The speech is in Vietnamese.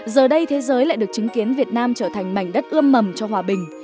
giờ đây thế giới lại được chứng kiến việt nam trở thành mảnh đất ươm mầm cho hòa bình